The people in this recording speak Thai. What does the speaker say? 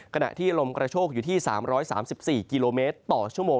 กณะที่ลมกระโชคอยู่ที่๓๓๔กิโลเมตรกรปช